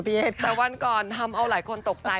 แต่วันก่อนทำเอาหลายคนตกใจ